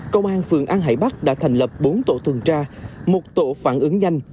công an phường an hải bắc đã thành lập bốn tổ tuần tra một tổ phản ứng nhanh